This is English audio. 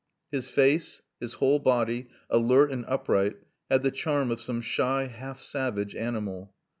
His face, his whole body, alert and upright, had the charm of some shy, half savage animal.